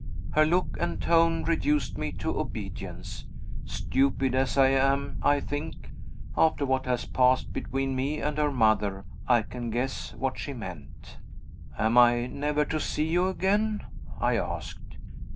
Her look and tone reduced me to obedience. Stupid as I am I think (after what passed between me and her mother) I can guess what she meant. "Am I never to see you again?" I asked.